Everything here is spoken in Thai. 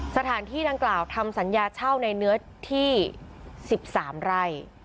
สถานที่ดังกล่าวทำสัญญาเช่าในเนื้อที่๑๓ไร่